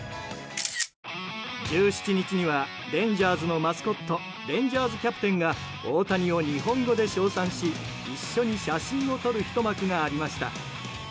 １７日にはレンジャーズのマスコットレンジャーズ・キャプテンが大谷を日本語で称賛し一緒に写真を撮るひと幕がありました。